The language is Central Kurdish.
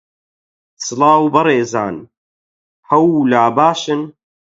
سڵاو بەڕێزان، هەوو لا باشن